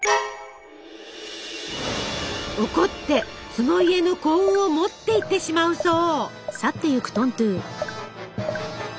怒ってその家の幸運を持っていってしまうそう。